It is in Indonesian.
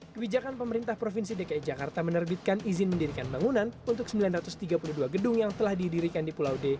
kebijakan pemerintah provinsi dki jakarta menerbitkan izin mendirikan bangunan untuk sembilan ratus tiga puluh dua gedung yang telah didirikan di pulau d